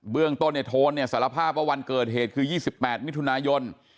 เรื่องต้นในโทนเนี่ยสารภาพว่าวันเกิดเหตุคือ๒๘มิถุนายน